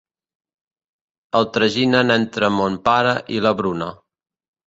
El traginen entre mon pare i la Bruna.